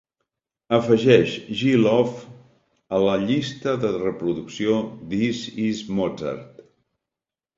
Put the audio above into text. Afegeix G. Love a la llista de reproducció This Is Mozart.